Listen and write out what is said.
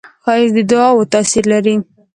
ښایست د دعاوو تاثیر لري